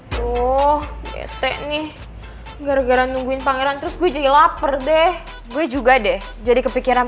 tuh bete nih gara gara nungguin pangeran terus gue jadi lapar deh gue juga deh jadi kepikiran